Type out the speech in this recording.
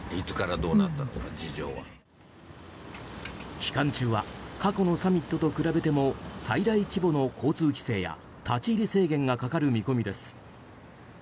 期間中は過去のサミットと比べても最大規模の交通規制や立ち入り制限がかかる見込みです。